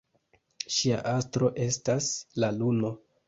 Ŝia astro estas la luno.